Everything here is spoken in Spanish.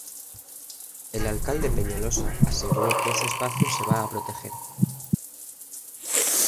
El alcalde Peñalosa aseguró que ese espacio se va a proteger.